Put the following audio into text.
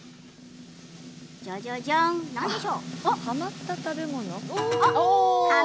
はまった食べ物。